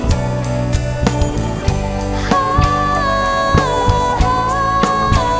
ฮ่าฮู้ฮู้